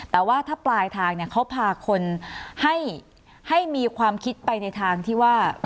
แต่ว่าถ้าปลายทางเขาพาคนให้มีความคิดไปในทางที่ว่า